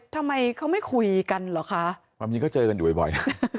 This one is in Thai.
ทำไมเขาไม่คุยกันเหรอคะความจริงก็เจอกันอยู่บ่อย